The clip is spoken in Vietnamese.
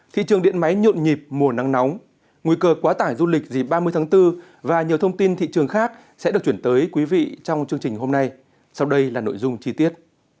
thị trường điện máy nhộn nhịp mùa nắng nóng nguy cơ quá tải du lịch dịp ba mươi tháng bốn và nhiều thông tin thị trường khác sẽ được chuyển tới quý vị trong chương trình hôm nay sau đây là nội dung chi tiết